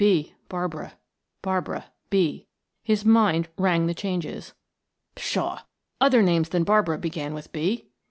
"B " Barbara; Barbara "B" his mind rang the changes; pshaw! other names than Barbara began with "B."